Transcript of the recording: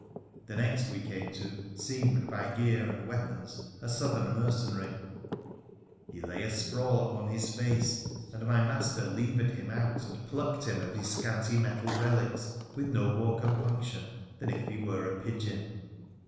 The next we came to seemed by gear. and weapons a Southern mercenary. He lay 335 WONDERFUL ADVENTURES OF asprawl upon his face, and my master levered him out and plucked him of his scanty metal relics with no more compunc tion than if he were a pigeon.